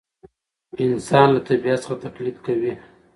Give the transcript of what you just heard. انسان له طبیعت څخه تقلید کوي.